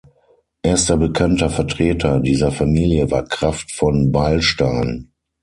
Erster bekannter Vertreter dieser Familie war Kraft von Beilstein.